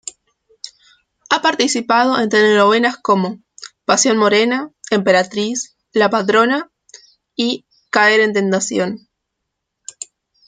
Ha participado en telenovelas como "Pasión morena", "Emperatriz", "La patrona" y "Caer en tentación".